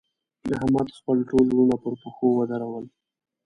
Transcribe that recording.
احمد؛ خپل ټول وروڼه پر پښو ودرول.